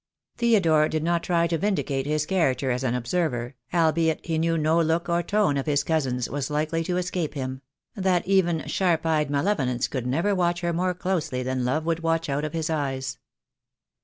Theodore did not try to vindicate his character as an observer, albeit he knew no look or tone of his cousin's was likely to escape him; that even sharp eyed male volence could never watch her more closely than love would watch out of his eyes.